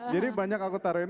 jadi banyak aku taruhin